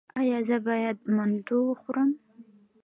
ایا زه باید منتو وخورم؟